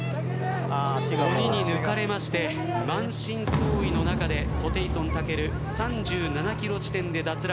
鬼に抜かれまして満身創痍の中でホテイソンたける３７キロ地点で脱落。